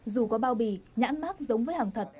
dù có bao bì nhãn mát giống với hàng thật